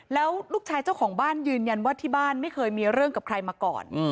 แล้วลูกชายเจ้าของบ้านยืนยันว่าที่บ้านไม่เคยมีเรื่องกับใครมาก่อน